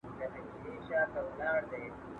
¬آس ئې و هغو ته ورکی، چي د تانگ د تړلو ئې نه دي.